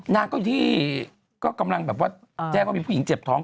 น่ารักของที่กำลังแจ้งว่ามีผู้หญิงเจ็บท้อง